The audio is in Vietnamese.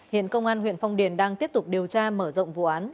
hiện công an huyện phong điền đang tiếp tục điều tra mở rộng vụ án